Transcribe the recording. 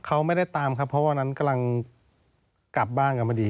เขาไม่ได้ตามครับเพราะวันนั้นกำลังกลับบ้านกันพอดี